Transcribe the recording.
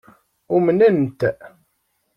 Umnen-t.